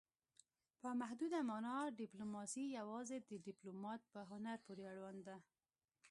په محدوده مانا ډیپلوماسي یوازې د ډیپلومات په هنر پورې اړوند ده